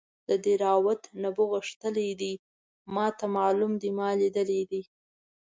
د دیراوت نبو غښتلی دی ماته معلوم دی ما لیدلی دی.